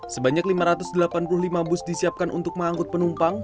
sebanyak lima ratus delapan puluh lima bus disiapkan untuk mengangkut penumpang